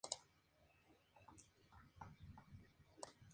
Tras cinco años, el riñón tuvo que ser extirpado debido a un rechazo.